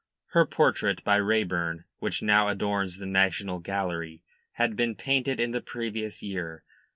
Her portrait, by Raeburn, which now adorns the National Gallery, had been painted in the previous year.